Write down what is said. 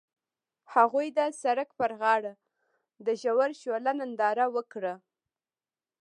هغوی د سړک پر غاړه د ژور شعله ننداره وکړه.